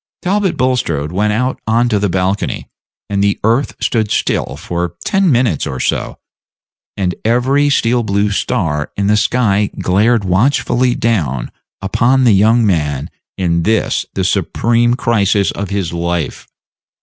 Talbot Bulstrode went out on to the balcony, and the earth stood still for ten minutes or so, and every steel blue star in the sky glared watchfully down upon the young man in this the supreme crisis of his life.